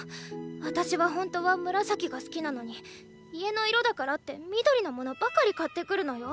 私は本当は紫が好きなのに家の色だからって緑のものばかり買ってくるのよ。